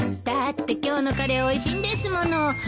だって今日のカレーおいしいんですもの。